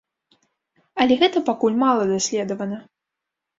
Але гэта пакуль мала даследавана.